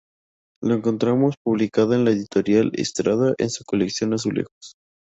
La encontramos publicada por Editorial Estrada en su Colección Azulejos.